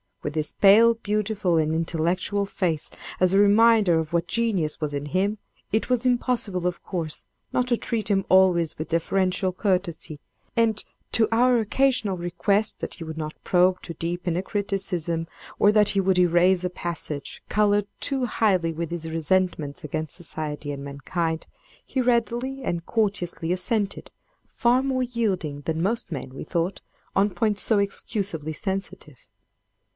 With his pale, beautiful, and intellectual face, as a reminder of what genius was in him, it was impossible, of course, not to treat him always with deferential courtesy, and, to our occasional request that he would not probe too deep in a criticism, or that he would erase a passage colored too highly with his resentments against society and mankind, he readily and courteously assented—far more yielding than most men, we thought, on points so excusably sensitive.